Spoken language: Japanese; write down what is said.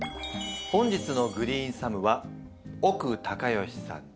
本日のグリーンサムは奥隆善さんです。